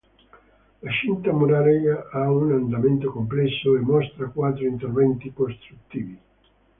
La cinta muraria ha un andamento complesso e mostra quattro interventi costruttivi.